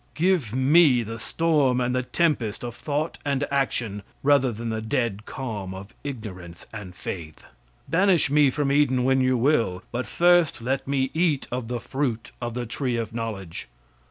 Give me the storm and tempest of thought and action, rather than the dead calm of ignorance and faith. Banish me from Eden when you will; but first let me eat of the fruit of the tree of knowledge!